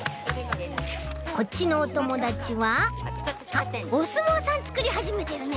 こっちのおともだちはおすもうさんつくりはじめてるね！